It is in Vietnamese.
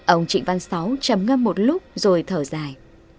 ông trịnh văn sáu chầm ngâm một lúc rồi thở dài